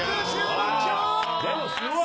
でも、すごい。